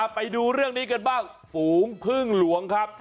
ไปดูเรื่องนี้กันบ้างฝูงพึ่งหลวงครับ